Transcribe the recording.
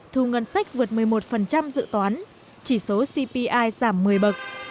thu ngân sách vượt một mươi một dự toán chỉ số cpi giảm một mươi bậc